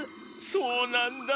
そうなんだ。